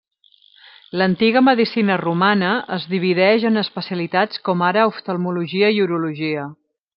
L'antiga medicina romana antiga es divideix en especialitats com ara oftalmologia i urologia.